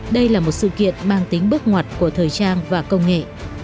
đây là một sự kiện mang tính bước ngoặt của thời trang và công nghệ